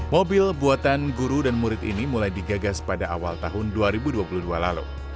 mobil buatan guru dan murid ini mulai digagas pada awal tahun dua ribu dua puluh dua lalu